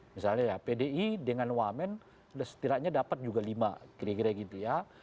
misalnya ya pdi dengan wamen setidaknya dapat juga lima kira kira gitu ya